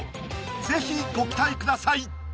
是非ご期待ください！